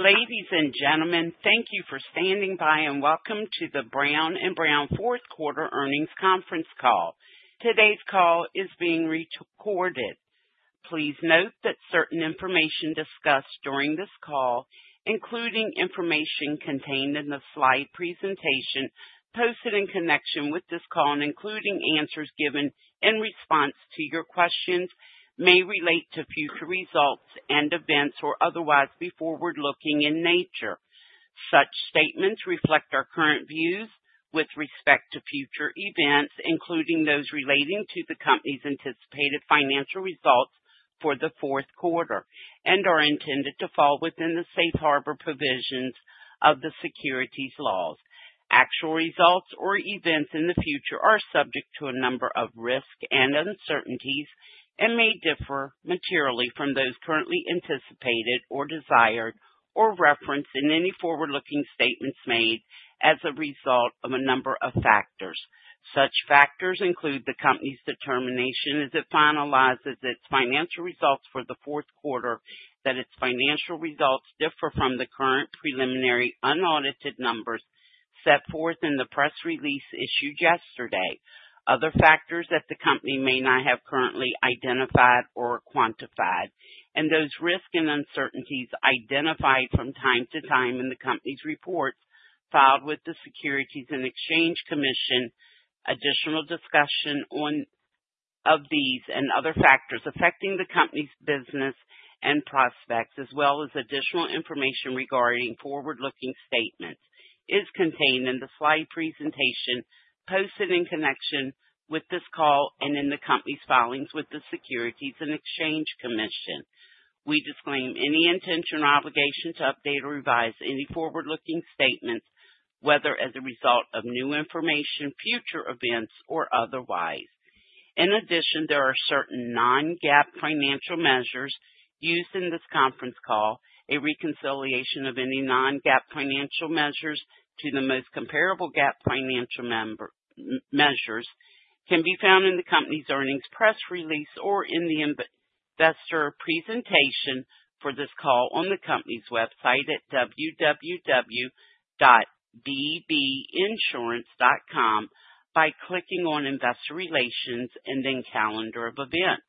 Ladies and gentlemen, thank you for standing by and welcome to the Brown & Brown Fourth Quarter Earnings Conference Call. Today's call is being recorded. Please note that certain information discussed during this call, including information contained in the slide presentation posted in connection with this call and including answers given in response to your questions, may relate to future results and events or otherwise be forward-looking in nature. Such statements reflect our current views with respect to future events, including those relating to the company's anticipated financial results for the fourth quarter and are intended to fall within the safe harbor provisions of the securities laws. Actual results or events in the future are subject to a number of risks and uncertainties and may differ materially from those currently anticipated or desired or referenced in any forward-looking statements made as a result of a number of factors. Such factors include the company's determination as it finalizes its financial results for the fourth quarter that its financial results differ from the current preliminary unaudited numbers set forth in the press release issued yesterday, other factors that the company may not have currently identified or quantified, and those risks and uncertainties identified from time to time in the company's reports filed with the Securities and Exchange Commission. Additional discussion of these and other factors affecting the company's business and prospects, as well as additional information regarding forward-looking statements, is contained in the slide presentation posted in connection with this call and in the company's filings with the Securities and Exchange Commission. We disclaim any intention or obligation to update or revise any forward-looking statements, whether as a result of new information, future events, or otherwise. In addition, there are certain non-GAAP financial measures used in this conference call. A reconciliation of any non-GAAP financial measures to the most comparable GAAP financial measures can be found in the company's earnings press release or in the investor presentation for this call on the company's website at www.bbinsurance.com by clicking on Investor Relations and then Calendar of Events.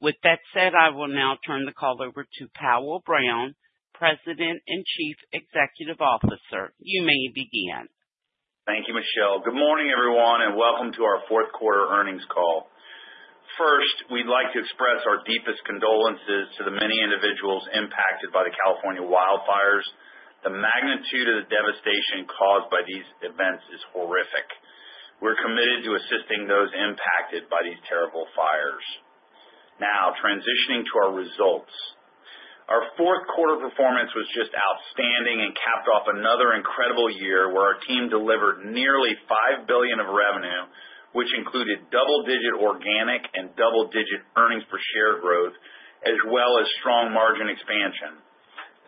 With that said, I will now turn the call over to Powell Brown, President and Chief Executive Officer. You may begin. Thank you, Michelle. Good morning, everyone, and welcome to our fourth quarter earnings call. First, we'd like to express our deepest condolences to the many individuals impacted by the California wildfires. The magnitude of the devastation caused by these events is horrific. We're committed to assisting those impacted by these terrible fires. Now, transitioning to our results. Our fourth quarter performance was just outstanding and capped off another incredible year where our team delivered nearly $5 billion of revenue, which included double-digit organic and double-digit earnings per share growth, as well as strong margin expansion.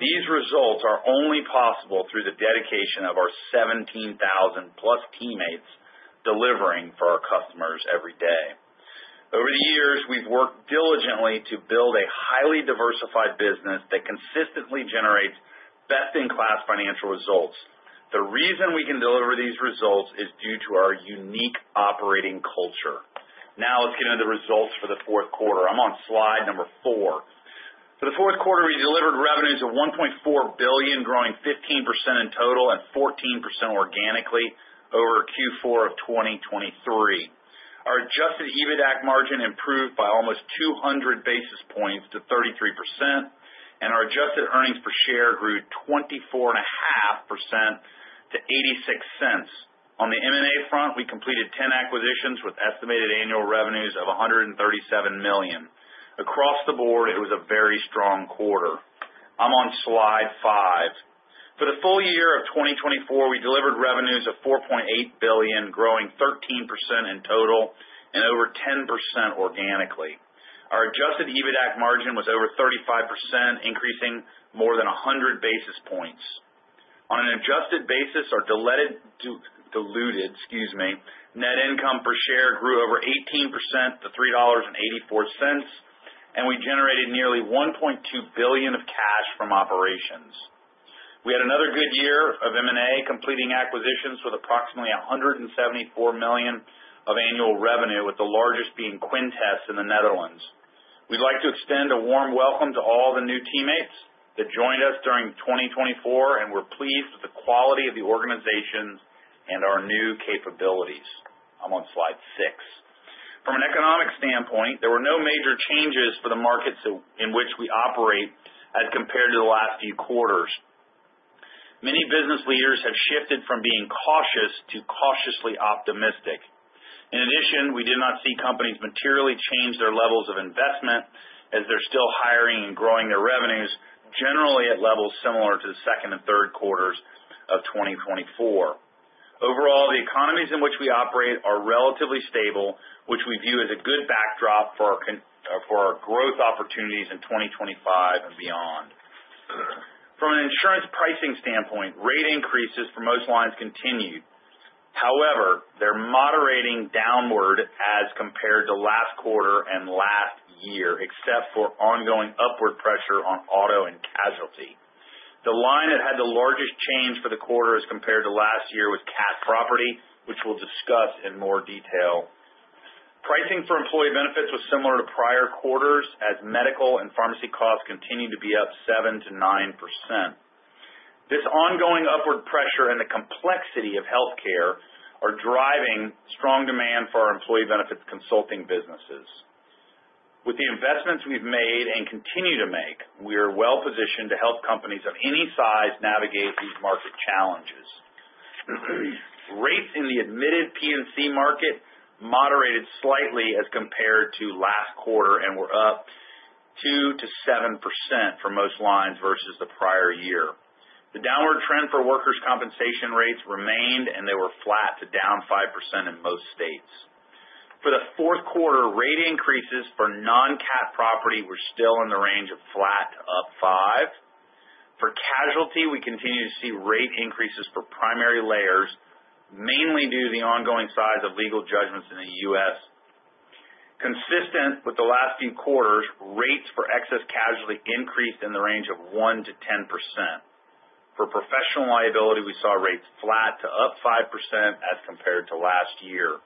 These results are only possible through the dedication of our 17,000-plus teammates delivering for our customers every day. Over the years, we've worked diligently to build a highly diversified business that consistently generates best-in-class financial results. The reason we can deliver these results is due to our unique operating culture. Now, let's get into the results for the fourth quarter. I'm on slide number four. For the fourth quarter, we delivered revenues of $1.4 billion, growing 15% in total and 14% organically over Q4 of 2023. Our adjusted EBITDAC margin improved by almost 200 basis points to 33%, and our adjusted earnings per share grew 24.5% to $0.86. On the M&A front, we completed 10 acquisitions with estimated annual revenues of $137 million. Across the board, it was a very strong quarter. I'm on slide five. For the full year of 2024, we delivered revenues of $4.8 billion, growing 13% in total and over 10% organically. Our adjusted EBITDAC margin was over 35%, increasing more than 100 basis points. On an adjusted basis, our diluted net income per share grew over 18% to $3.84, and we generated nearly $1.2 billion of cash from operations. We had another good year of M&A, completing acquisitions with approximately $174 million of annual revenue, with the largest being Quintes in the Netherlands. We'd like to extend a warm welcome to all the new teammates that joined us during 2024, and we're pleased with the quality of the organization and our new capabilities. I'm on slide six. From an economic standpoint, there were no major changes for the markets in which we operate as compared to the last few quarters. Many business leaders have shifted from being cautious to cautiously optimistic. In addition, we did not see companies materially change their levels of investment as they're still hiring and growing their revenues, generally at levels similar to the second and third quarters of 2024. Overall, the economies in which we operate are relatively stable, which we view as a good backdrop for our growth opportunities in 2025 and beyond. From an insurance pricing standpoint, rate increases for most lines continued. However, they're moderating downward as compared to last quarter and last year, except for ongoing upward pressure on auto and casualty. The line that had the largest change for the quarter as compared to last year was CAT property, which we'll discuss in more detail. Pricing for employee benefits was similar to prior quarters as medical and pharmacy costs continued to be up 7%-9%. This ongoing upward pressure and the complexity of healthcare are driving strong demand for our employee benefits consulting businesses. With the investments we've made and continue to make, we are well positioned to help companies of any size navigate these market challenges. Rates in the admitted P&C market moderated slightly as compared to last quarter and were up 2%-7% for most lines versus the prior year. The downward trend for workers' compensation rates remained, and they were flat to down 5% in most states. For the fourth quarter, rate increases for non-CAT property were still in the range of flat to up five. For casualty, we continue to see rate increases for primary layers, mainly due to the ongoing size of legal judgments in the U.S. Consistent with the last few quarters, rates for excess casualty increased in the range of 1%-10%. For professional liability, we saw rates flat to up 5% as compared to last year.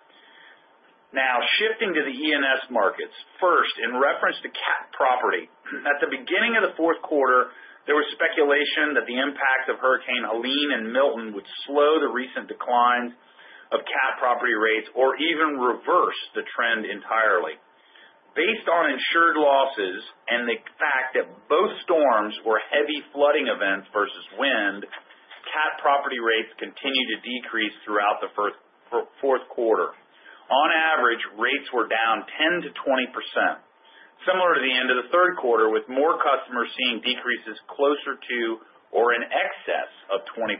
Now, shifting to the E&S markets. First, in reference to cat property, at the beginning of the fourth quarter, there was speculation that the impact of Hurricane Helene and Milton would slow the recent declines of CAT property rates or even reverse the trend entirely. Based on insured losses and the fact that both storms were heavy flooding events versus wind, CAT property rates continued to decrease throughout the fourth quarter. On average, rates were down 10%-20%, similar to the end of the third quarter, with more customers seeing decreases closer to or in excess of 20%.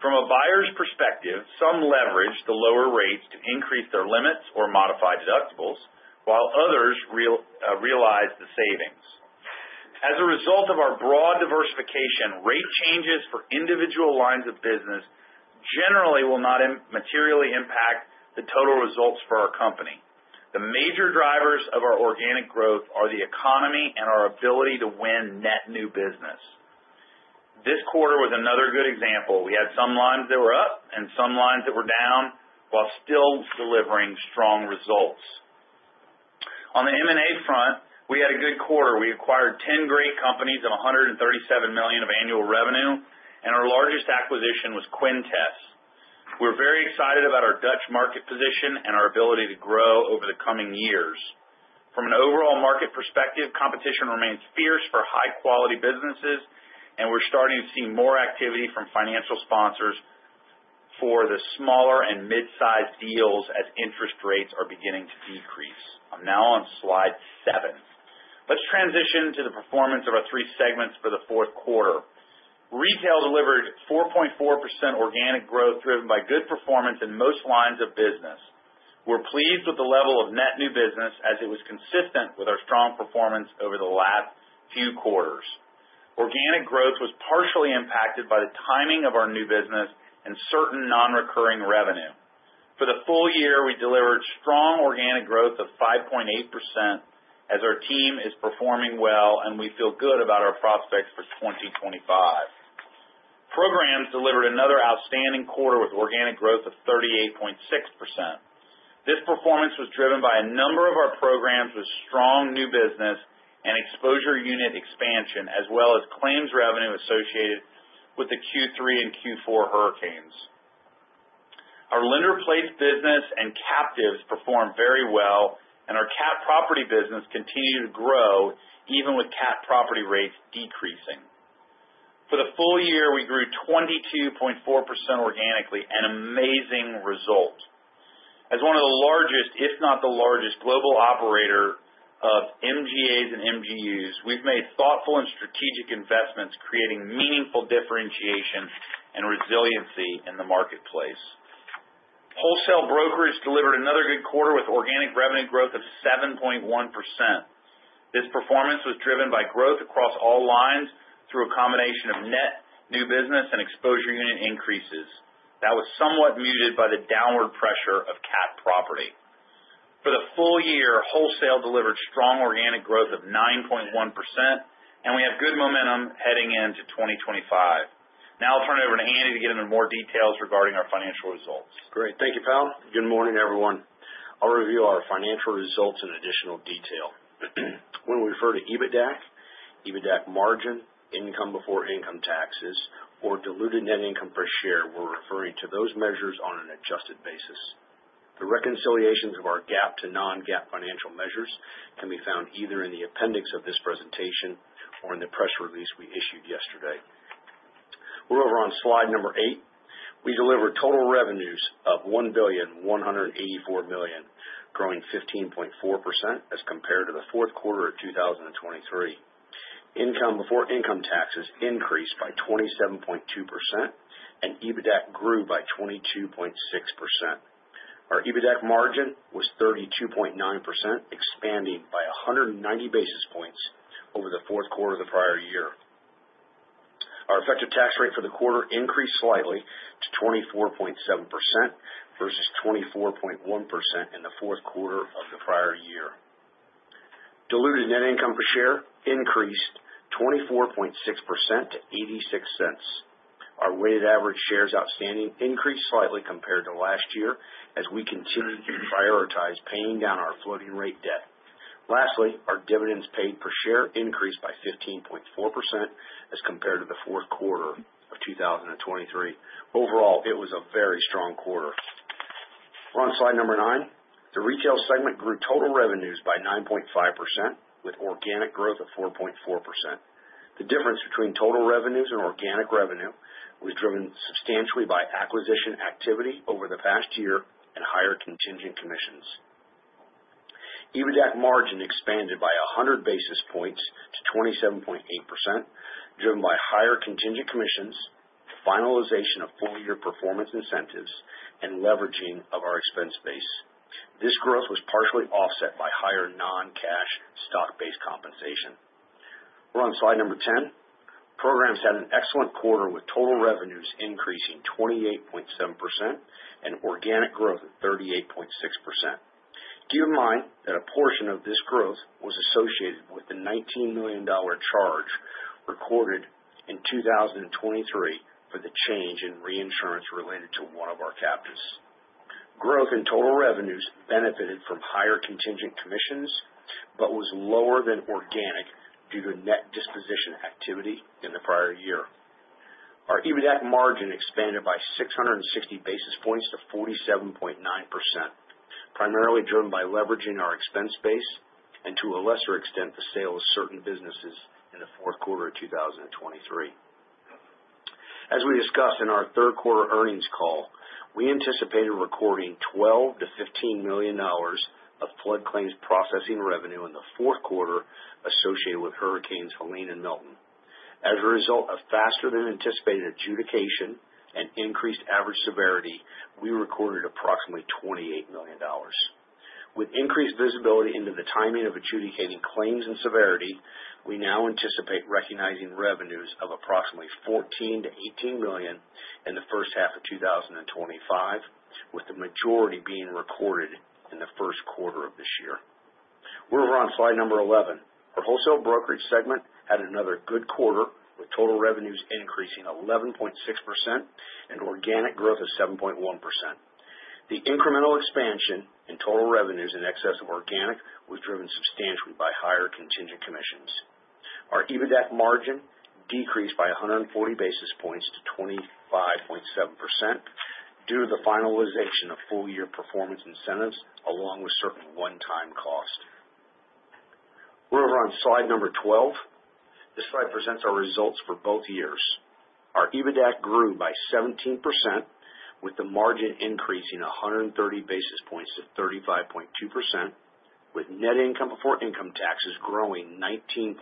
From a buyer's perspective, some leveraged the lower rates to increase their limits or modify deductibles, while others realized the savings. As a result of our broad diversification, rate changes for individual lines of business generally will not materially impact the total results for our company. The major drivers of our organic growth are the economy and our ability to win net new business. This quarter was another good example. We had some lines that were up and some lines that were down while still delivering strong results. On the M&A front, we had a good quarter. We acquired 10 great companies and $137 million of annual revenue, and our largest acquisition was Quintes. We're very excited about our Dutch market position and our ability to grow over the coming years. From an overall market perspective, competition remains fierce for high-quality businesses, and we're starting to see more activity from financial sponsors for the smaller and mid-sized deals as interest rates are beginning to decrease. I'm now on slide seven. Let's transition to the performance of our three segments for the fourth quarter. Retail delivered 4.4% organic growth driven by good performance in most lines of business. We're pleased with the level of net new business as it was consistent with our strong performance over the last few quarters. Organic growth was partially impacted by the timing of our new business and certain non-recurring revenue. For the full year, we delivered strong organic growth of 5.8% as our team is performing well, and we feel good about our prospects for 2025. Programs delivered another outstanding quarter with organic growth of 38.6%. This performance was driven by a number of our programs with strong new business and exposure unit expansion, as well as claims revenue associated with the Q3 and Q4 hurricanes. Our lender-placed business and captives performed very well, and our CAT property business continued to grow even with CAT property rates decreasing. For the full year, we grew 22.4% organically, an amazing result. As one of the largest, if not the largest, global operator of MGAs and MGUs, we've made thoughtful and strategic investments, creating meaningful differentiation and resiliency in the marketplace. Wholesale brokers delivered another good quarter with organic revenue growth of 7.1%. This performance was driven by growth across all lines through a combination of net new business and exposure unit increases. That was somewhat muted by the downward pressure of CAT property. For the full year, wholesale delivered strong organic growth of 9.1%, and we have good momentum heading into 2025. Now, I'll turn it over to Andy to get into more details regarding our financial results. Great. Thank you, Powell. Good morning, everyone. I'll review our financial results in additional detail. When we refer to EBITDAC, EBITDAC margin, income before income taxes, or diluted net income per share, we're referring to those measures on an adjusted basis. The reconciliations of our GAAP to non-GAAP financial measures can be found either in the appendix of this presentation or in the press release we issued yesterday. We're over on slide number eight. We delivered total revenues of $1.184 billion, growing 15.4% as compared to the fourth quarter of 2023. Income before income taxes increased by 27.2%, and EBITDAC grew by 22.6%. Our EBITDAC margin was 32.9%, expanding by 190 basis points over the fourth quarter of the prior year. Our effective tax rate for the quarter increased slightly to 24.7% versus 24.1% in the fourth quarter of the prior year. Diluted net income per share increased 24.6% to $0.86. Our weighted average shares outstanding increased slightly compared to last year as we continued to prioritize paying down our floating rate debt. Lastly, our dividends paid per share increased by 15.4% as compared to the fourth quarter of 2023. Overall, it was a very strong quarter. We're on slide number 9. The retail segment grew total revenues by 9.5% with organic growth of 4.4%. The difference between total revenues and organic revenue was driven substantially by acquisition activity over the past year and higher contingent commissions. EBITDAC margin expanded by 100 basis points to 27.8%, driven by higher contingent commissions, finalization of full-year performance incentives, and leveraging of our expense base. This growth was partially offset by higher non-cash stock-based compensation. We're on slide number 10. Programs had an excellent quarter with total revenues increasing 28.7% and organic growth of 38.6%. Keep in mind that a portion of this growth was associated with the $19 million charge recorded in 2023 for the change in reinsurance related to one of our captives. Growth in total revenues benefited from higher contingent commissions but was lower than organic due to net disposition activity in the prior year. Our EBITDAC margin expanded by 660 basis points to 47.9%, primarily driven by leveraging our expense base and, to a lesser extent, the sale of certain businesses in the fourth quarter of 2023. As we discussed in our third quarter earnings call, we anticipated recording $12 million-$15 million of flood claims processing revenue in the fourth quarter associated with hurricanes Helene and Milton. As a result of faster-than-anticipated adjudication and increased average severity, we recorded approximately $28 million. With increased visibility into the timing of adjudicating claims and severity, we now anticipate recognizing revenues of approximately $14 million-$18 million in the first half of 2025, with the majority being recorded in the first quarter of this year. We're over on slide number 11. Our wholesale brokerage segment had another good quarter with total revenues increasing 11.6% and organic growth of 7.1%. The incremental expansion in total revenues in excess of organic was driven substantially by higher contingent commissions. Our EBITDAC margin decreased by 140 basis points to 25.7% due to the finalization of full-year performance incentives along with certain one-time costs. We're over on slide number 12. This slide presents our results for both years. Our EBITDAC grew by 17%, with the margin increasing 130 basis points to 35.2%, with net income before income taxes growing 19.6%,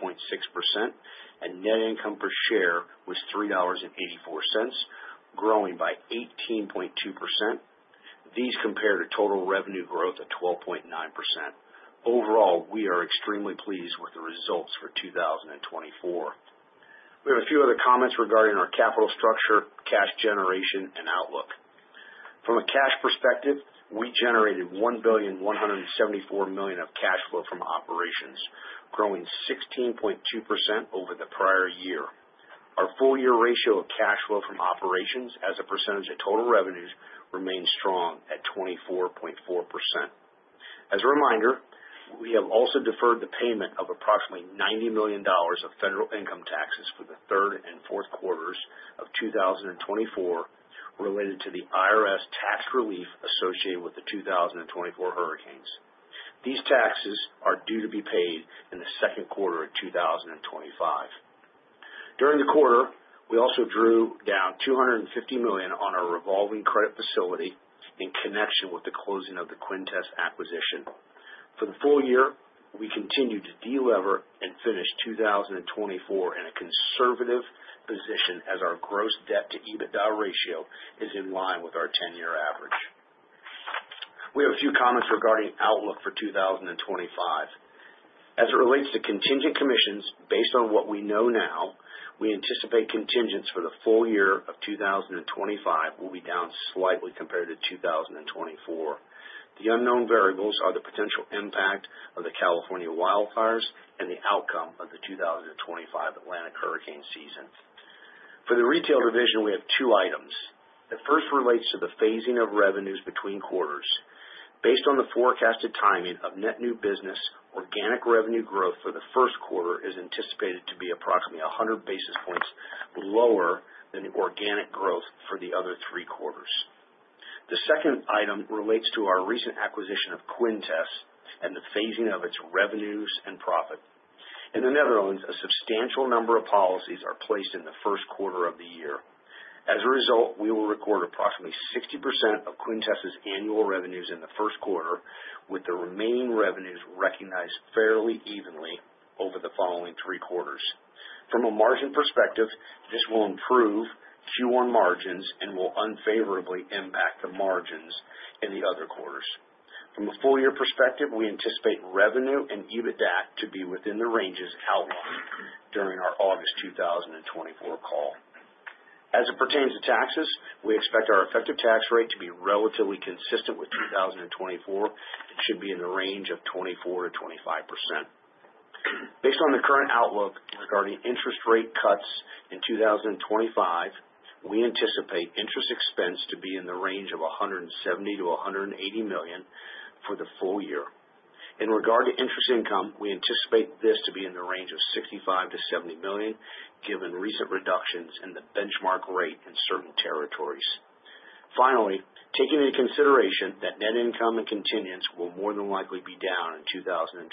and net income per share was $3.84, growing by 18.2%. These compare to total revenue growth of 12.9%. Overall, we are extremely pleased with the results for 2024. We have a few other comments regarding our capital structure, cash generation, and outlook. From a cash perspective, we generated $1.174 billion of cash flow from operations, growing 16.2% over the prior year. Our full-year ratio of cash flow from operations as a percentage of total revenues remains strong at 24.4%. As a reminder, we have also deferred the payment of approximately $90 million of federal income taxes for the third and fourth quarters of 2024 related to the IRS tax relief associated with the 2024 hurricanes. These taxes are due to be paid in the second quarter of 2025. During the quarter, we also drew down $250 million on our revolving credit facility in connection with the closing of the Quintes acquisition. For the full year, we continue to deliver and finish 2024 in a conservative position as our gross debt-to-EBITDA ratio is in line with our 10-year average. We have a few comments regarding outlook for 2025. As it relates to contingent commissions, based on what we know now, we anticipate contingents for the full year of 2025 will be down slightly compared to 2024. The unknown variables are the potential impact of the California wildfires and the outcome of the 2025 Atlantic hurricane season. For the retail division, we have two items. The first relates to the phasing of revenues between quarters. Based on the forecasted timing of net new business, organic revenue growth for the first quarter is anticipated to be approximately 100 basis points lower than organic growth for the other three quarters. The second item relates to our recent acquisition of Quintes and the phasing of its revenues and profit. In the Netherlands, a substantial number of policies are placed in the first quarter of the year. As a result, we will record approximately 60% of Quintes's annual revenues in the first quarter, with the remaining revenues recognized fairly evenly over the following three quarters. From a margin perspective, this will improve Q1 margins and will unfavorably impact the margins in the other quarters. From a full-year perspective, we anticipate revenue and EBITDAC to be within the ranges outlined during our August 2024 call. As it pertains to taxes, we expect our effective tax rate to be relatively consistent with 2024. It should be in the range of 24%-25%. Based on the current outlook regarding interest rate cuts in 2025, we anticipate interest expense to be in the range of $170 million-$180 million for the full year. In regard to interest income, we anticipate this to be in the range of $65 million-$70 million given recent reductions in the benchmark rate in certain territories. Finally, taking into consideration that net income and contingents will more than likely be down in 2025,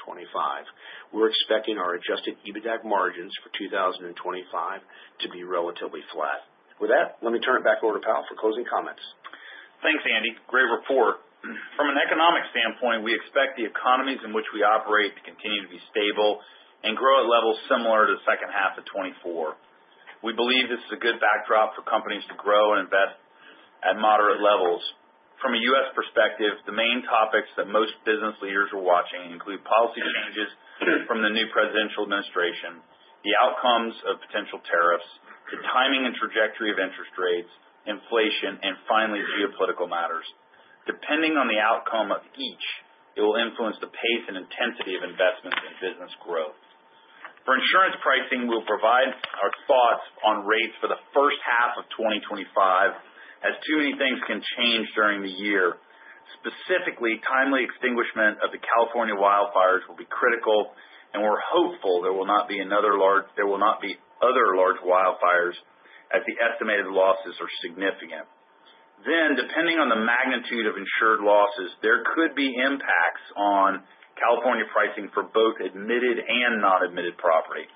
we're expecting our adjusted EBITDA margins for 2025 to be relatively flat. With that, let me turn it back over to Powell for closing comments. Thanks, Andy. Great report. From an economic standpoint, we expect the economies in which we operate to continue to be stable and grow at levels similar to the second half of 2024. We believe this is a good backdrop for companies to grow and invest at moderate levels. From a U.S. perspective, the main topics that most business leaders are watching include policy changes from the new presidential administration, the outcomes of potential tariffs, the timing and trajectory of interest rates, inflation, and finally, geopolitical matters. Depending on the outcome of each, it will influence the pace and intensity of investments and business growth. For insurance pricing, we'll provide our thoughts on rates for the first half of 2025, as too many things can change during the year. Specifically, timely extinguishment of the California wildfires will be critical, and we're hopeful there will not be other large wildfires as the estimated losses are significant. Then, depending on the magnitude of insured losses, there could be impacts on California pricing for both admitted and non-admitted property.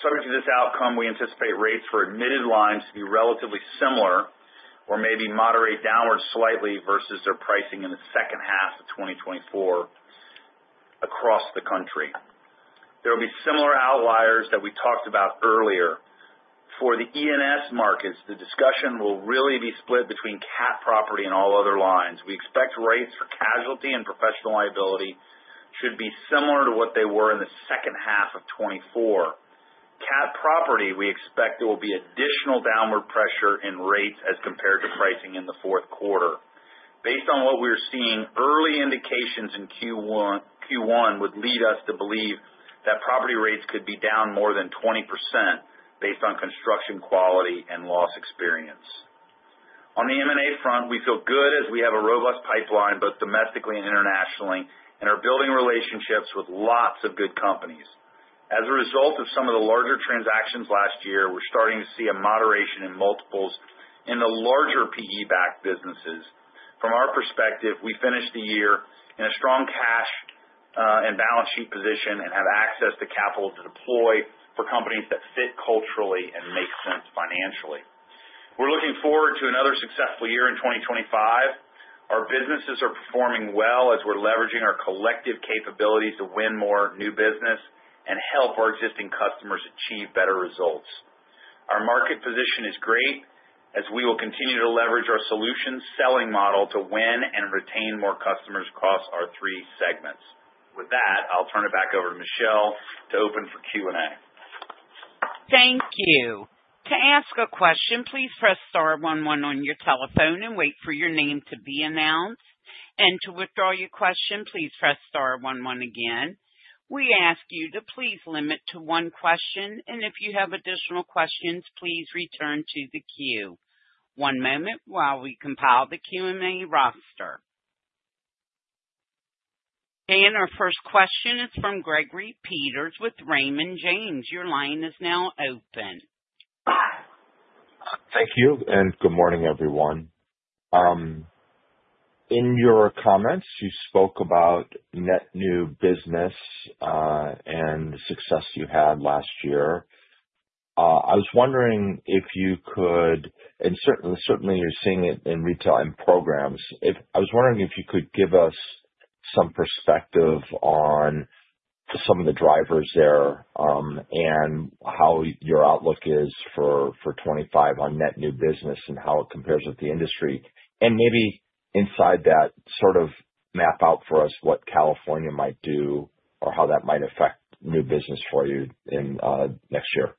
Subject to this outcome, we anticipate rates for admitted lines to be relatively similar or maybe moderate downward slightly versus their pricing in the second half of 2024 across the country. There will be similar outliers that we talked about earlier. For the E&S markets, the discussion will really be split between CAT property and all other lines. We expect rates for casualty and professional liability should be similar to what they were in the second half of 2024. CAT property, we expect there will be additional downward pressure in rates as compared to pricing in the fourth quarter. Based on what we are seeing, early indications in Q1 would lead us to believe that property rates could be down more than 20% based on construction quality and loss experience. On the M&A front, we feel good as we have a robust pipeline both domestically and internationally and are building relationships with lots of good companies. As a result of some of the larger transactions last year, we're starting to see a moderation in multiples in the larger PE-backed businesses. From our perspective, we finished the year in a strong cash and balance sheet position and have access to capital to deploy for companies that fit culturally and make sense financially. We're looking forward to another successful year in 2025. Our businesses are performing well as we're leveraging our collective capabilities to win more new business and help our existing customers achieve better results. Our market position is great as we will continue to leverage our solution selling model to win and retain more customers across our three segments. With that, I'll turn it back over to Michelle to open for Q&A. Thank you. To ask a question, please press *11 on your telephone and wait for your name to be announced. And to withdraw your question, please press *11 again. We ask you to please limit to one question, and if you have additional questions, please return to the queue. One moment while we compile the Q&A roster. And our first question is from Gregory Peters with Raymond James. Your line is now open. Thank you and good morning, everyone. In your comments, you spoke about net new business and the success you had last year. I was wondering if you could, and certainly you're seeing it in retail and programs, give us some perspective on some of the drivers there and how your outlook is for 2025 on net new business and how it compares with the industry, and maybe inside that, sort of map out for us what California might do or how that might affect new business for you next year.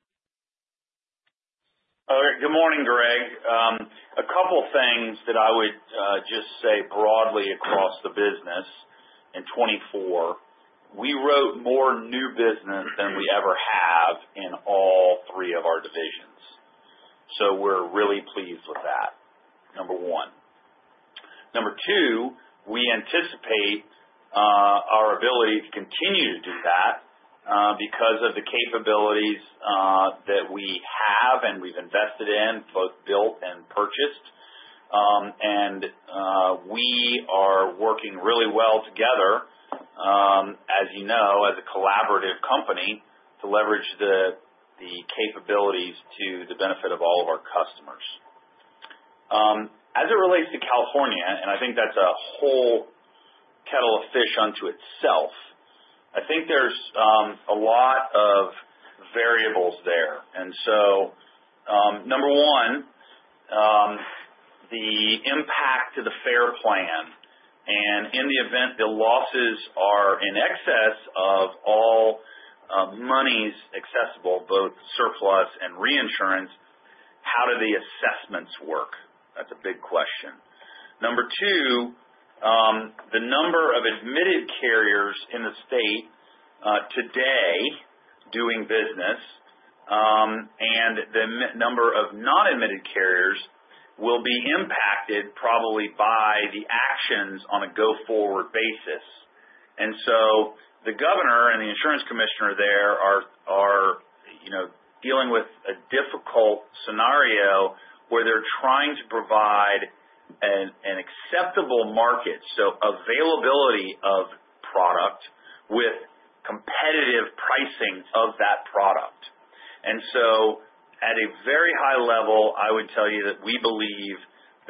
All right. Good morning, Greg. A couple of things that I would just say broadly across the business in 2024. We wrote more new business than we ever have in all three of our divisions. So we're really pleased with that, number one. Number two, we anticipate our ability to continue to do that because of the capabilities that we have and we've invested in, both built and purchased. And we are working really well together, as you know, as a collaborative company to leverage the capabilities to the benefit of all of our customers. As it relates to California, and I think that's a whole kettle of fish unto itself, I think there's a lot of variables there. And so, number one, the impact to the FAIR Plan. And in the event the losses are in excess of all monies accessible, both surplus and reinsurance, how do the assessments work? That's a big question. Number two, the number of admitted carriers in the state today doing business and the number of non-admitted carriers will be impacted probably by the actions on a go-forward basis. And so the governor and the insurance commissioner there are dealing with a difficult scenario where they're trying to provide an acceptable market, so availability of product with competitive pricing of that product. And so at a very high level, I would tell you that we believe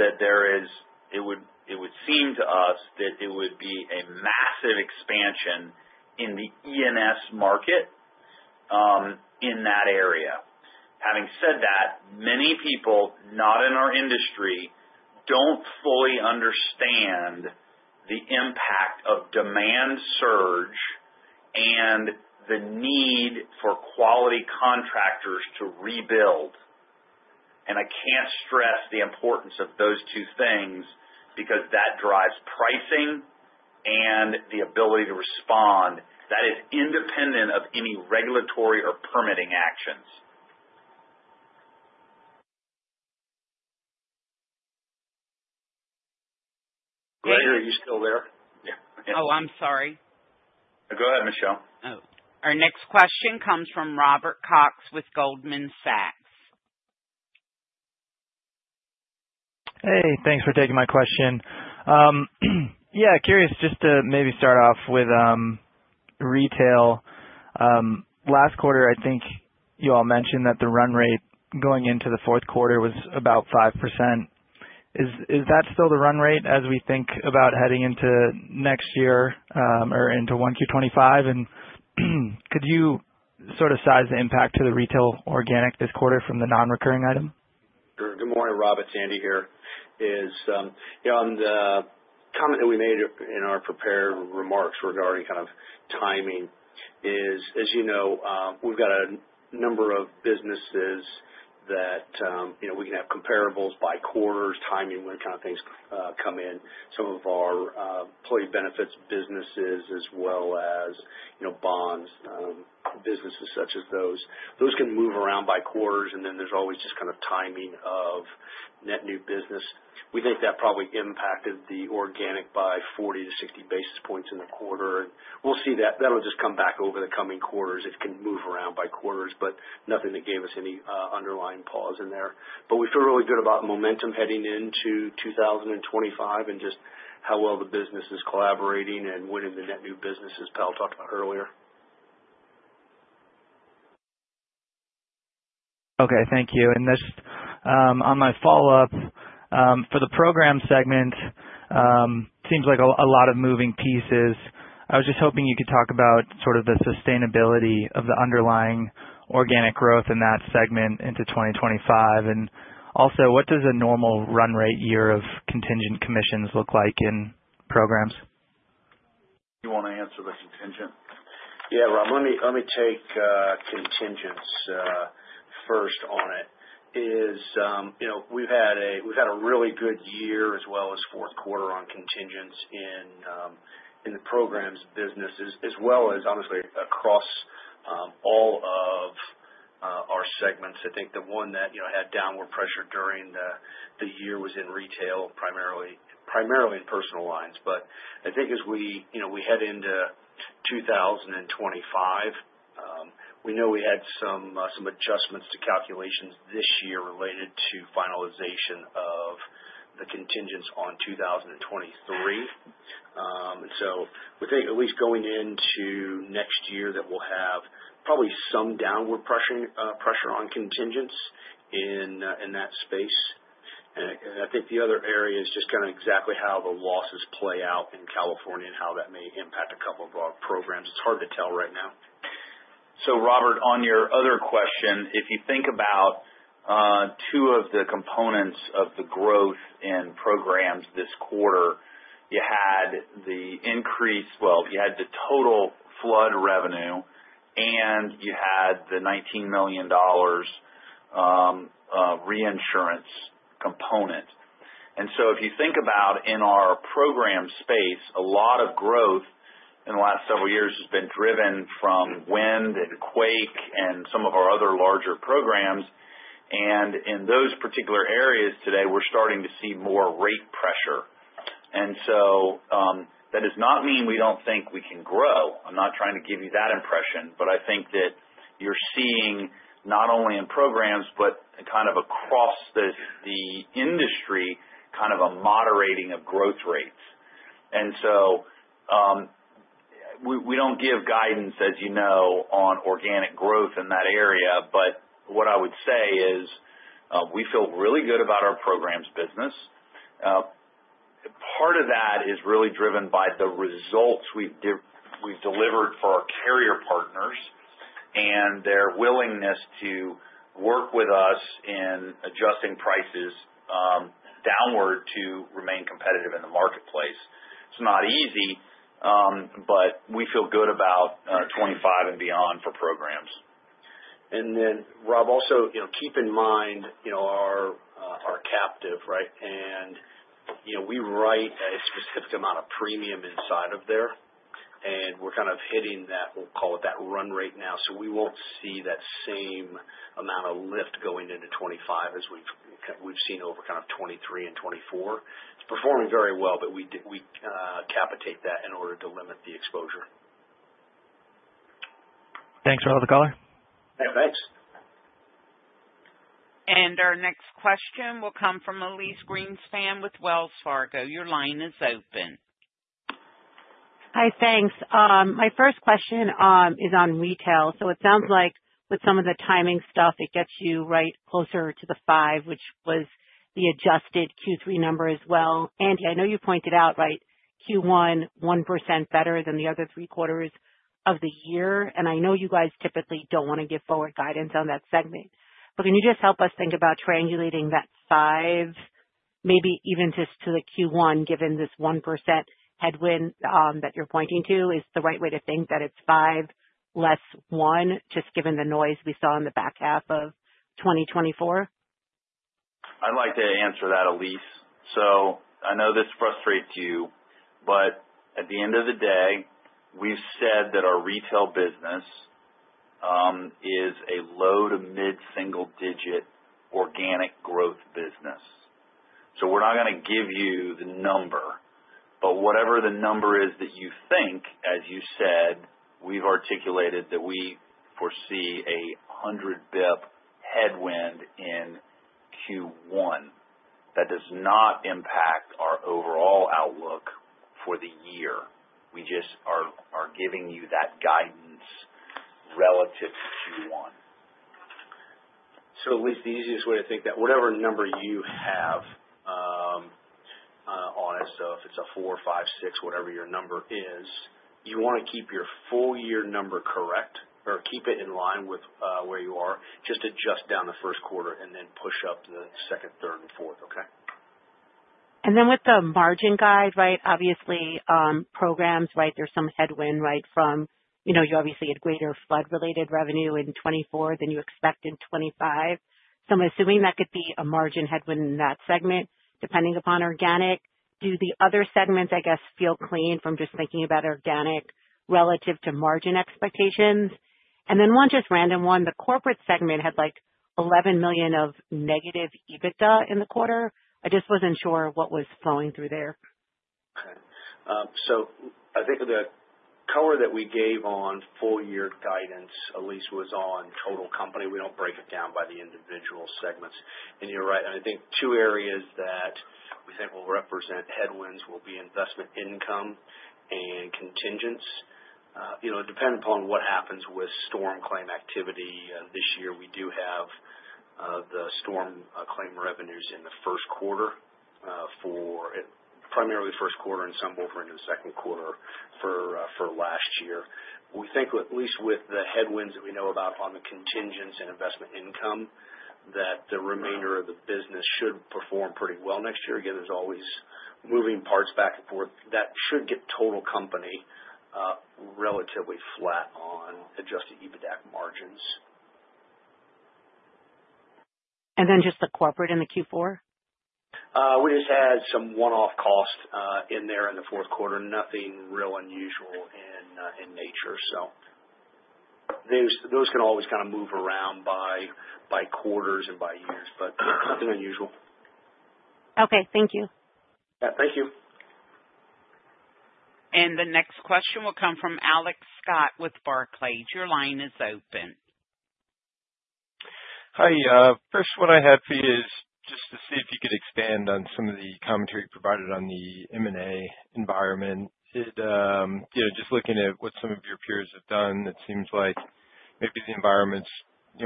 that there is, it would seem to us that it would be a massive expansion in the E&S market in that area. Having said that, many people not in our industry don't fully understand the impact of demand surge and the need for quality contractors to rebuild. I can't stress the importance of those two things because that drives pricing and the ability to respond that is independent of any regulatory or permitting actions. Gregory, are you still there? Oh, I'm sorry. Go ahead, Michelle. Our next question comes from Robert Cox with Goldman Sachs. Hey, thanks for taking my question. Yeah, curious just to maybe start off with retail. Last quarter, I think you all mentioned that the run rate going into the fourth quarter was about 5%. Is that still the run rate as we think about heading into next year or into 1Q 2025? And could you sort of size the impact to the retail organic this quarter from the non-recurring item? Good morning, Robert. Andy here. Yeah, on the comment that we made in our prepared remarks regarding kind of timing is, as you know, we've got a number of businesses that we can have comparables by quarters, timing when kind of things come in. Some of our employee benefits businesses as well as bonds businesses such as those. Those can move around by quarters, and then there's always just kind of timing of net new business. We think that probably impacted the organic by 40 basis point-60 basis points in the quarter. And we'll see that. That'll just come back over the coming quarters if it can move around by quarters, but nothing that gave us any underlying pause in there. But we feel really good about momentum heading into 2025 and just how well the business is collaborating and winning the net new businesses Powell talked about earlier. Okay, thank you. And just on my follow-up, for the program segment, it seems like a lot of moving pieces. I was just hoping you could talk about sort of the sustainability of the underlying organic growth in that segment into 2025. And also, what does a normal run rate year of contingent commissions look like in programs? You want to answer the contingent? Yeah, Rob, let me take contingents first on it. We've had a really good year as well as fourth quarter on contingents in the programs business as well as, honestly, across all of our segments. I think the one that had downward pressure during the year was in retail, primarily in personal lines, but I think as we head into 2025, we know we had some adjustments to calculations this year related to finalization of the contingents on 2023, and so we think at least going into next year that we'll have probably some downward pressure on contingents in that space, and I think the other area is just kind of exactly how the losses play out in California and how that may impact a couple of our programs. It's hard to tell right now. So Robert, on your other question, if you think about two of the components of the growth in programs this quarter, you had the increase, well, you had the total flood revenue, and you had the $19 million reinsurance component. And so if you think about in our program space, a lot of growth in the last several years has been driven from wind and quake and some of our other larger programs. And in those particular areas today, we're starting to see more rate pressure. And so that does not mean we don't think we can grow. I'm not trying to give you that impression, but I think that you're seeing not only in programs but kind of across the industry kind of a moderating of growth rates. And so we don't give guidance, as you know, on organic growth in that area, but what I would say is we feel really good about our programs business. Part of that is really driven by the results we've delivered for our carrier partners and their willingness to work with us in adjusting prices downward to remain competitive in the marketplace. It's not easy, but we feel good about 2025 and beyond for programs. And then, Rob, also keep in mind our captive, right? And we write a specific amount of premium inside of there, and we're kind of hitting that, we'll call it that run rate now. So we won't see that same amount of lift going into 2025 as we've seen over kind of 2023 and 2024. It's performing very well, but we cap it in order to limit the exposure. Thanks for all the color. Yeah, thanks. Our next question will come from Elyse Greenspan with Wells Fargo. Your line is open. Hi, thanks. My first question is on retail. So it sounds like with some of the timing stuff, it gets you right closer to the five, which was the adjusted Q3 number as well. Andy, I know you pointed out, right, Q1, 1% better than the other three quarters of the year. And I know you guys typically don't want to give forward guidance on that segment. But can you just help us think about triangulating that five, maybe even just to the Q1, given this 1% headwind that you're pointing to? Is the right way to think that it's five less one just given the noise we saw in the back half of 2024? I'd like to answer that, Elyse. So I know this frustrates you, but at the end of the day, we've said that our retail business is a low-to-mid-single-digit organic growth business. So we're not going to give you the number, but whatever the number is that you think, as you said, we've articulated that we foresee a 100 basis point headwind in Q1. That does not impact our overall outlook for the year. We just are giving you that guidance relative to Q1. So Elyse, the easiest way to think that whatever number you have on it, so if it's a four, five, six, whatever your number is, you want to keep your full year number correct or keep it in line with where you are. Just adjust down the first quarter and then push up the second, third, and fourth, okay? And then with the margin guide, right, obviously programs, right, there's some headwind, right, from you obviously had greater flood-related revenue in 2024 than you expect in 2025. So I'm assuming that could be a margin headwind in that segment depending upon organic. Do the other segments, I guess, feel clean from just thinking about organic relative to margin expectations? And then one just random one, the corporate segment had like $11 million of negative EBITDA in the quarter. I just wasn't sure what was flowing through there. Okay, so I think the color that we gave on full year guidance, Elyse, was on total company. We don't break it down by the individual segments, and you're right, and I think two areas that we think will represent headwinds will be investment income and contingents. Depending upon what happens with storm claim activity this year, we do have the storm claim revenues in the first quarter for primarily first quarter and some over into the second quarter for last year. We think at least with the headwinds that we know about on the contingents and investment income that the remainder of the business should perform pretty well next year. Again, there's always moving parts back and forth. That should get total company relatively flat on adjusted EBITDAC margins. And then just the corporate in the Q4? We just had some one-off costs in there in the fourth quarter, nothing real unusual in nature. So those can always kind of move around by quarters and by years, but nothing unusual. Okay, thank you. Yeah, thank you. The next question will come from Alex Scott with Barclays. Your line is open. Hi. First, what I had for you is just to see if you could expand on some of the commentary you provided on the M&A environment. Just looking at what some of your peers have done, it seems like maybe the environment's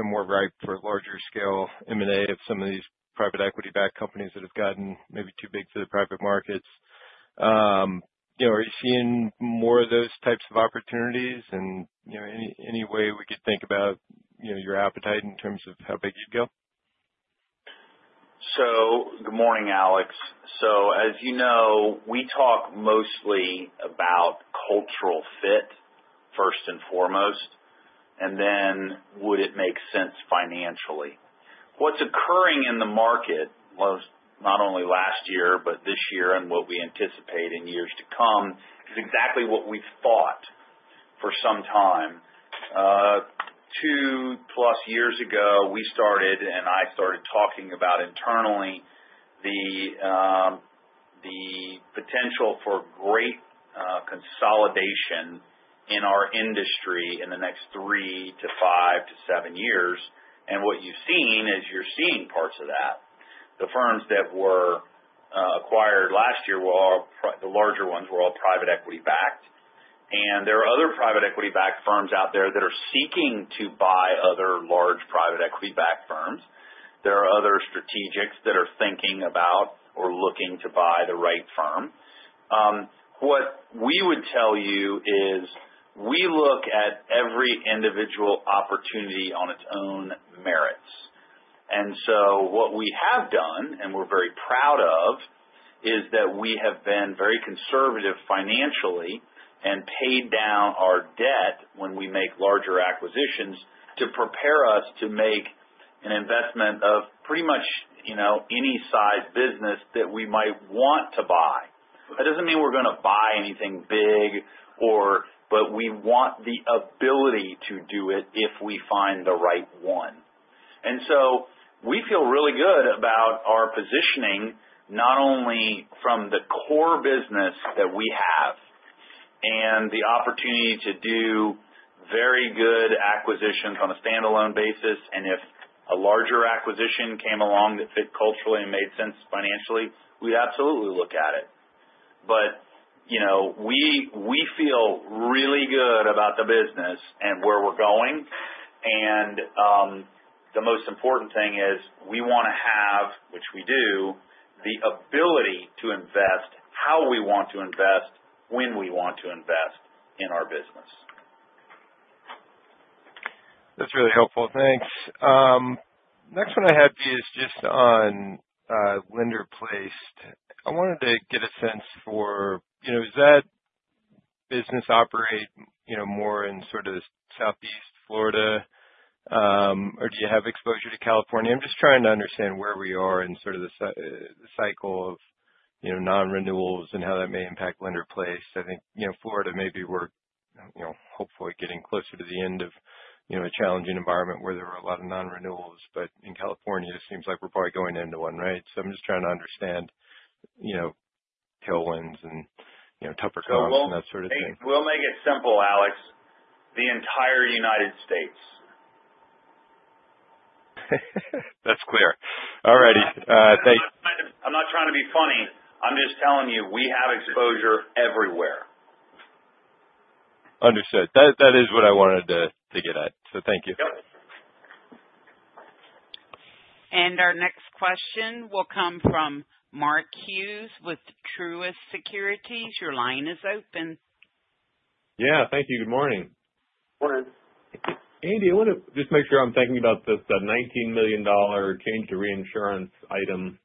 more ripe for larger scale M&A of some of these private equity-backed companies that have gotten maybe too big for the private markets. Are you seeing more of those types of opportunities? And any way we could think about your appetite in terms of how big you'd go? Good morning, Alex. As you know, we talk mostly about cultural fit first and foremost, and then would it make sense financially? What's occurring in the market, not only last year but this year and what we anticipate in years to come, is exactly what we've thought for some time. Two-plus years ago, we started and I started talking about internally the potential for great consolidation in our industry in the next three to five to seven years. And what you've seen is you're seeing parts of that. The firms that were acquired last year were all the larger ones were all private equity-backed. And there are other private equity-backed firms out there that are seeking to buy other large private equity-backed firms. There are other strategics that are thinking about or looking to buy the right firm. What we would tell you is we look at every individual opportunity on its own merits. And so what we have done, and we're very proud of, is that we have been very conservative financially and paid down our debt when we make larger acquisitions to prepare us to make an investment of pretty much any size business that we might want to buy. That doesn't mean we're going to buy anything big, but we want the ability to do it if we find the right one. And so we feel really good about our positioning not only from the core business that we have and the opportunity to do very good acquisitions on a standalone basis. And if a larger acquisition came along that fit culturally and made sense financially, we'd absolutely look at it. But we feel really good about the business and where we're going. The most important thing is we want to have, which we do, the ability to invest how we want to invest when we want to invest in our business. That's really helpful. Thanks. Next one I had for you is just on lender placed. I wanted to get a sense for is that business operate more in sort of Southeast Florida, or do you have exposure to California? I'm just trying to understand where we are in sort of the cycle of non-renewals and how that may impact lender placed. I think Florida maybe we're hopefully getting closer to the end of a challenging environment where there were a lot of non-renewals, but in California, it seems like we're probably going into one, right? So I'm just trying to understand tailwinds and headwinds and that sort of thing. We'll make it simple, Alex. The entire United States. That's clear. All righty. Thanks. I'm not trying to be funny. I'm just telling you we have exposure everywhere. Understood. That is what I wanted to get at. So thank you. Yep. And our next question will come from Mark Hughes with Truist Securities. Your line is open. Yeah, thank you. Good morning. Morning. Andy, I want to just make sure I'm thinking about the $19 million change to reinsurance item.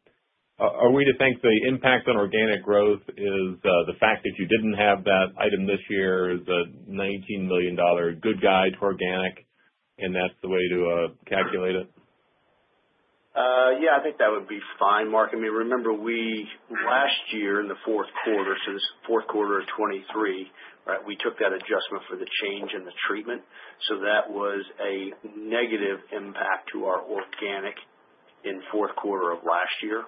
Are we to think the impact on organic growth is the fact that you didn't have that item this year is a $19 million good guide to organic, and that's the way to calculate it? Yeah, I think that would be fine, Mark. I mean, remember last year in the fourth quarter, so this fourth quarter of 2023, right, we took that adjustment for the change in the treatment. So that was a negative impact to our organic in fourth quarter of last year.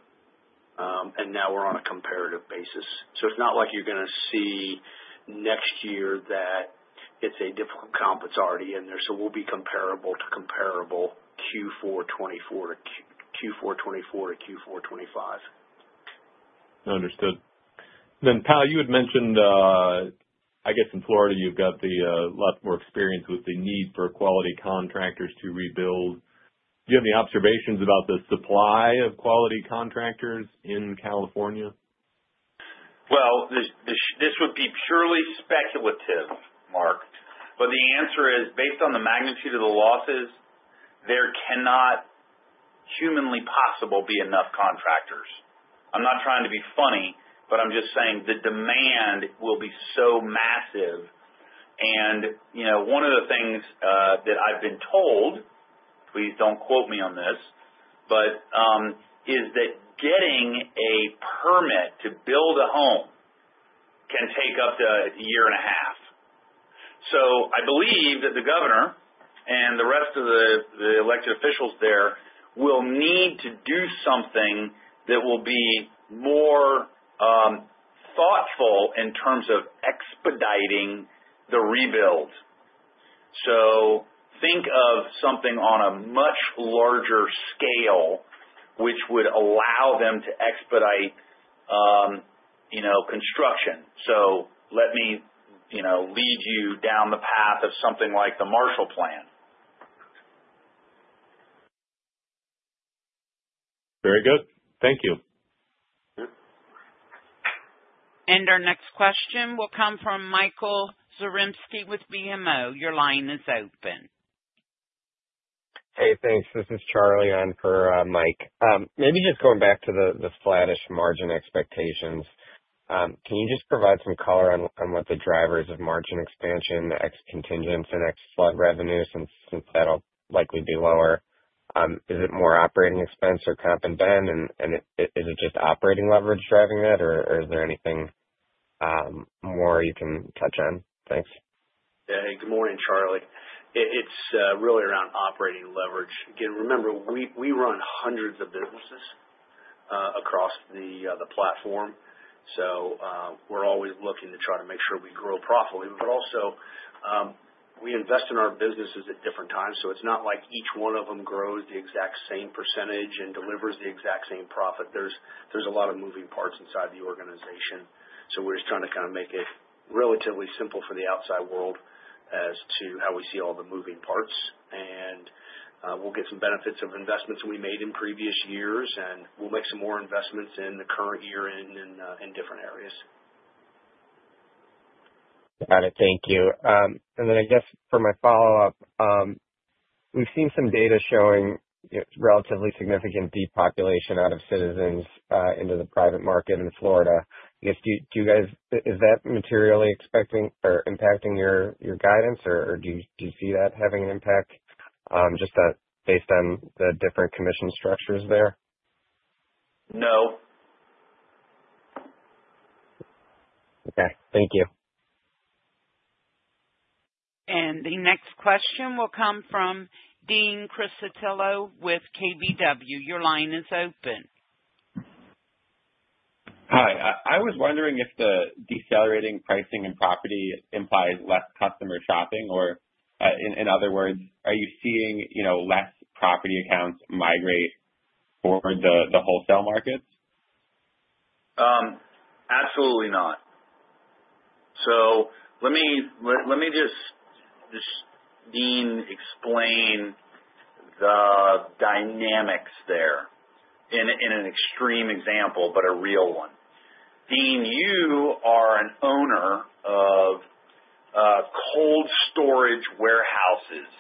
And now we're on a comparative basis. So it's not like you're going to see next year that it's a difficult comp that's already in there. So we'll be comparable to comparable Q4 2024 to Q4 2024 to Q4 2025. Understood. Then Powell, you had mentioned, I guess in Florida, you've got a lot more experience with the need for quality contractors to rebuild. Do you have any observations about the supply of quality contractors in California? This would be purely speculative, Mark. The answer is based on the magnitude of the losses, there cannot humanly possible be enough contractors. I'm not trying to be funny, but I'm just saying the demand will be so massive. One of the things that I've been told, please don't quote me on this, but is that getting a permit to build a home can take up to a year and a half. I believe that the governor and the rest of the elected officials there will need to do something that will be more thoughtful in terms of expediting the rebuild. Think of something on a much larger scale which would allow them to expedite construction. Let me lead you down the path of something like the Marshall Plan. Very good. Thank you. And our next question will come from Michael Zaremski with BMO. Your line is open. Hey, thanks. This is Charlie on for Mike. Maybe just going back to the flatish margin expectations, can you just provide some color on what the drivers of margin expansion, ex contingents, and ex flood revenue, since that'll likely be lower? Is it more operating expense or comp and benefits? And is it just operating leverage driving that, or is there anything more you can touch on? Thanks. Yeah, hey, good morning, Charlie. It's really around operating leverage. Again, remember, we run hundreds of businesses across the platform. So we're always looking to try to make sure we grow profitably, but also, we invest in our businesses at different times, so it's not like each one of them grows the exact same percentage and delivers the exact same profit. There's a lot of moving parts inside the organization. So we're just trying to kind of make it relatively simple for the outside world as to how we see all the moving parts, and we'll get some benefits of investments we made in previous years, and we'll make some more investments in the current year in different areas. Got it. Thank you. And then I guess for my follow-up, we've seen some data showing relatively significant depopulation out of Citizens into the private market in Florida. I guess, is that materially impacting your guidance, or do you see that having an impact just based on the different commission structures there? No. Okay. Thank you. The next question will come from Dean Criscitiello with KBW. Your line is open. Hi. I was wondering if the decelerating pricing in property implies less customer shopping, or in other words, are you seeing less property accounts migrate toward the wholesale markets? Absolutely not. So let me just, Dean, explain the dynamics there in an extreme example, but a real one. Dean, you are an owner of cold storage warehouses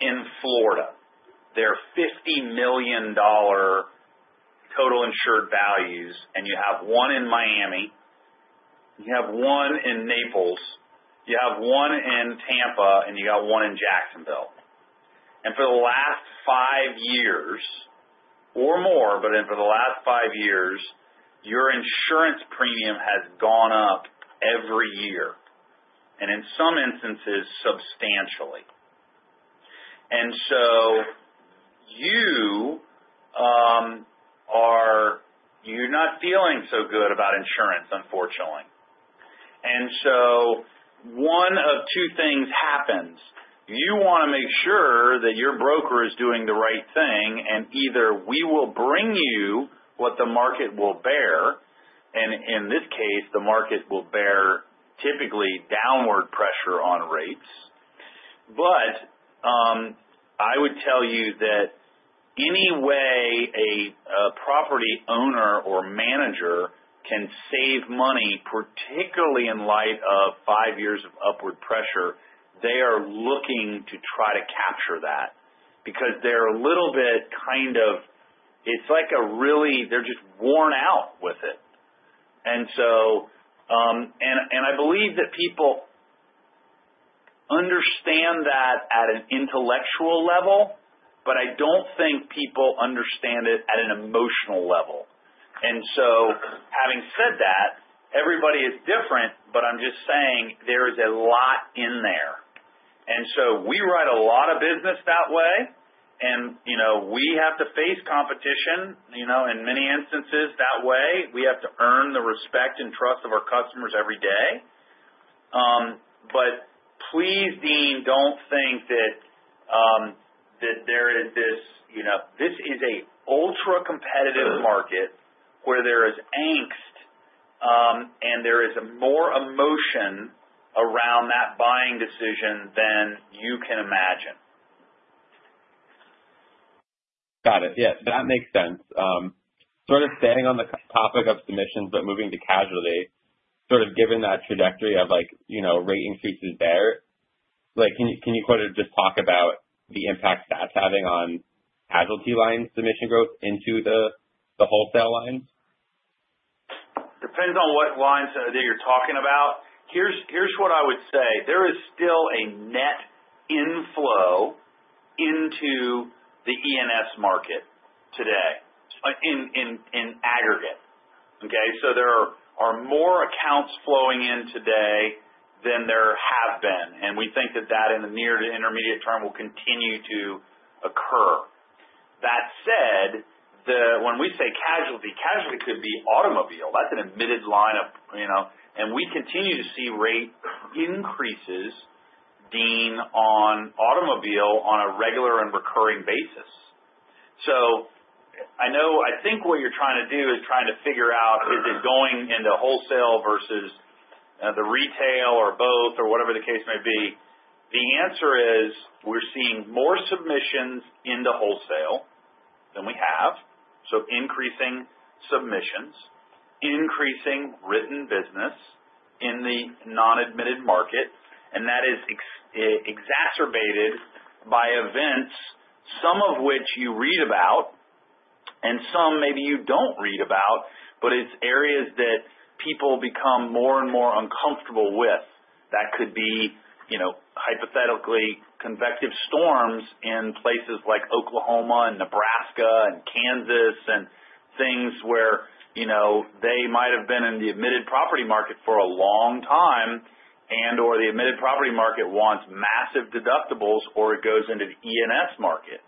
in Florida. They're $50 million total insured values, and you have one in Miami, you have one in Naples, you have one in Tampa, and you got one in Jacksonville. And for the last five years or more, but for the last five years, your insurance premium has gone up every year, and in some instances, substantially. And so you're not feeling so good about insurance, unfortunately. And so one of two things happens. You want to make sure that your broker is doing the right thing, and either we will bring you what the market will bear, and in this case, the market will bear typically downward pressure on rates. But I would tell you that any way a property owner or manager can save money, particularly in light of five years of upward pressure, they are looking to try to capture that because they're a little bit kind of, it's like a really, they're just worn out with it. And I believe that people understand that at an intellectual level, but I don't think people understand it at an emotional level. And so having said that, everybody is different, but I'm just saying there is a lot in there. And so we write a lot of business that way, and we have to face competition in many instances that way. We have to earn the respect and trust of our customers every day. But please, Dean, don't think that there is this. This is an ultra-competitive market where there is angst and there is more emotion around that buying decision than you can imagine. Got it. Yes, that makes sense. Sort of staying on the topic of submissions but moving to casualty, sort of given that trajectory of rate increases there, can you sort of just talk about the impact that's having on casualty lines submission growth into the wholesale lines? Depends on what lines that you're talking about. Here's what I would say. There is still a net inflow into the E&S market today in aggregate, okay? So there are more accounts flowing in today than there have been, and we think that that in the near to intermediate term will continue to occur. That said, when we say casualty, casualty could be automobile. That's an admitted line of, and we continue to see rate increases, Dean, on automobile on a regular and recurring basis, so I think what you're trying to do is trying to figure out, is it going into wholesale versus the retail or both or whatever the case may be? The answer is we're seeing more submissions into wholesale than we have. So increasing submissions, increasing written business in the non-admitted market, and that is exacerbated by events, some of which you read about and some maybe you don't read about, but it's areas that people become more and more uncomfortable with. That could be hypothetically convective storms in places like Oklahoma and Nebraska and Kansas and things where they might have been in the admitted property market for a long time and/or the admitted property market wants massive deductibles or it goes into the E&S market.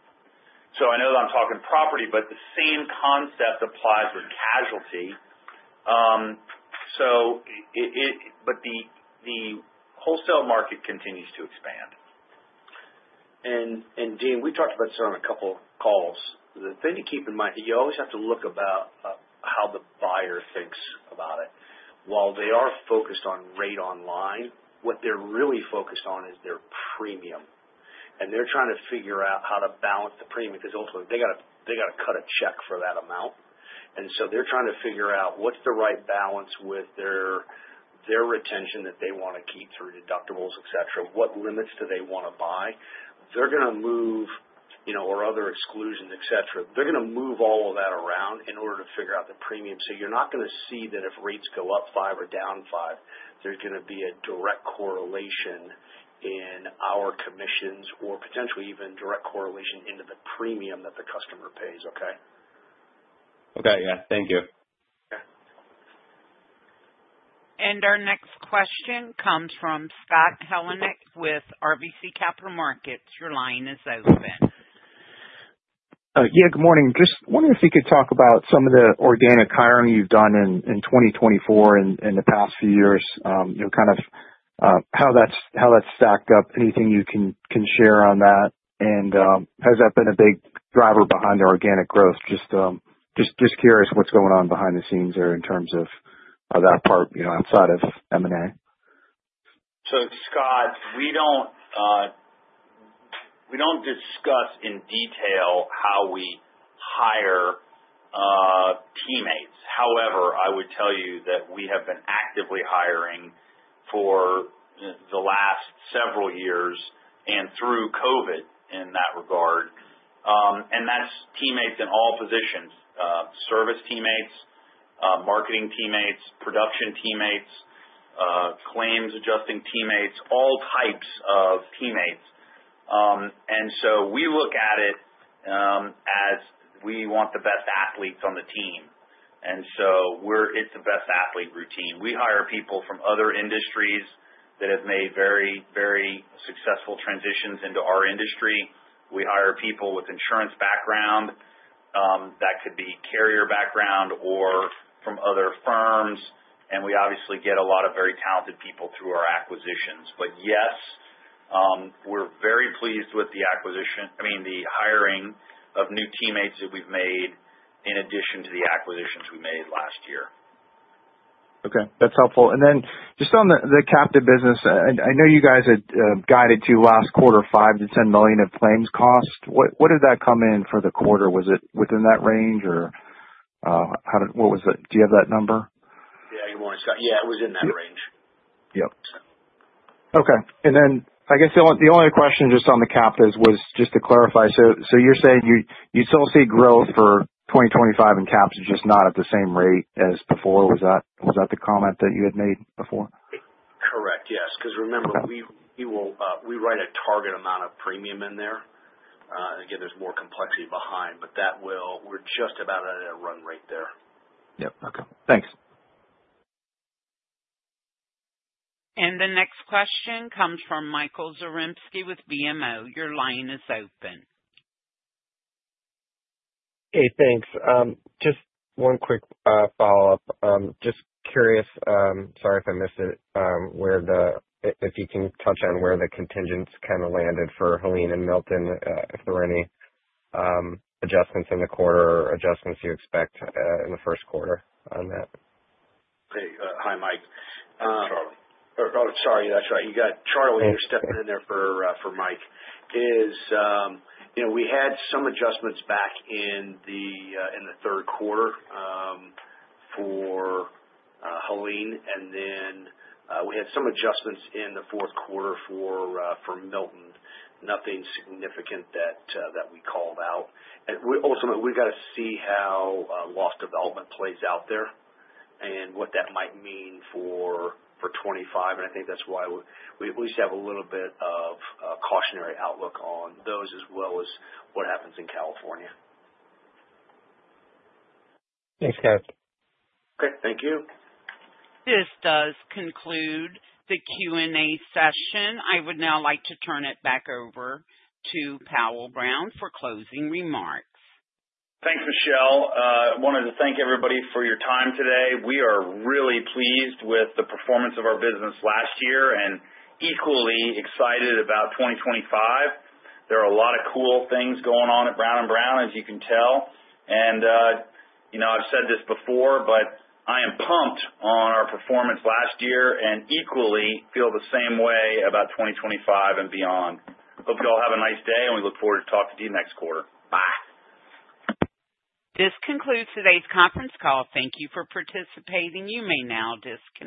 So I know that I'm talking property, but the same concept applies with casualty. But the wholesale market continues to expand. And Dean, we talked about this on a couple of calls. The thing to keep in mind, you always have to look about how the buyer thinks about it. While they are focused on rate on line, what they're really focused on is their premium. They're trying to figure out how to balance the premium because ultimately they got to cut a check for that amount. So they're trying to figure out what's the right balance with their retention that they want to keep through deductibles, etc. What limits do they want to buy? They're going to move or other exclusions, etc. They're going to move all of that around in order to figure out the premium. So you're not going to see that if rates go up five or down five, there's going to be a direct correlation in our commissions or potentially even direct correlation into the premium that the customer pays, okay? Okay. Yeah. Thank you. And our next question comes from Scott Heleniak with RBC Capital Markets. Your line is open. Yeah, good morning. Just wondering if you could talk about some of the organic hiring you've done in 2024 in the past few years, kind of how that's stacked up. Anything you can share on that? And has that been a big driver behind the organic growth? Just curious what's going on behind the scenes there in terms of that part outside of M&A. Scott, we don't discuss in detail how we hire teammates. However, I would tell you that we have been actively hiring for the last several years and through COVID in that regard. And that's teammates in all positions: service teammates, marketing teammates, production teammates, claims adjusting teammates, all types of teammates. And so we look at it as we want the best athletes on the team. And so it's a best athlete routine. We hire people from other industries that have made very, very successful transitions into our industry. We hire people with insurance background that could be carrier background or from other firms. And we obviously get a lot of very talented people through our acquisitions. But yes, we're very pleased with the acquisition, I mean, the hiring of new teammates that we've made in addition to the acquisitions we made last year. Okay. That's helpful. And then just on the captive business, I know you guys had guided to last quarter $5 million-$10 million in claims cost. What did that come in for the quarter? Was it within that range or what was that? Do you have that number? Yeah, good morning, Scott. Yeah, it was in that range. Yep. Okay. And then I guess the only question just on the captive was just to clarify. So you're saying you still see growth for 2025 in captive just not at the same rate as before. Was that the comment that you had made before? Correct. Yes. Because remember, we write a target amount of premium in there. Again, there's more complexity behind, but we're just about at a run rate there. Yep. Okay. Thanks. The next question comes from Michael Zaremski with BMO. Your line is open. Hey, thanks. Just one quick follow-up. Just curious, sorry if I missed it, if you can touch on where the contingents kind of landed for Helene and Milton, if there were any adjustments in the quarter or adjustments you expect in the first quarter on that? Hey, hi, Mike. Charlie. Oh, sorry. That's right. You got Charlie here stepping in there for Mike. We had some adjustments back in the third quarter for Helene, and then we had some adjustments in the fourth quarter for Milton. Nothing significant that we called out. Ultimately, we've got to see how loss development plays out there and what that might mean for 2025. And I think that's why we at least have a little bit of a cautionary outlook on those as well as what happens in California. Thanks, Scott. Okay. Thank you. This does conclude the Q&A session. I would now like to turn it back over to Powell Brown for closing remarks. Thanks, Michelle. I wanted to thank everybody for your time today. We are really pleased with the performance of our business last year and equally excited about 2025. There are a lot of cool things going on at Brown & Brown, as you can tell. And I've said this before, but I am pumped on our performance last year and equally feel the same way about 2025 and beyond. Hope you all have a nice day, and we look forward to talking to you next quarter. Bye. This concludes today's conference call. Thank you for participating. You may now disconnect.